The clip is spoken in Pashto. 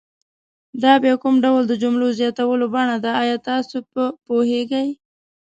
دا بیا کوم ډول د جملو زیاتولو بڼه ده آیا تاسې په پوهیږئ؟